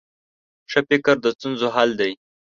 ښه فکر د ستونزو حل دی.